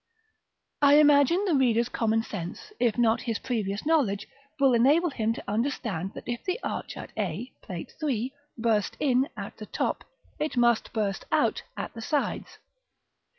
§ IV. I imagine the reader's common sense, if not his previous knowledge, will enable him to understand that if the arch at a, Plate III., burst in at the top, it must burst out at the sides.